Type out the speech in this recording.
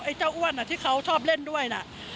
เจ้าอ้วนที่เขาชอบเล่นด้วยน่ะ